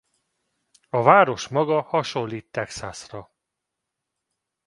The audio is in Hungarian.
A város maga hasonlít Texasra.